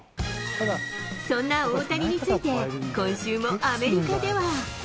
そんな大谷について、今週もアメリカでは。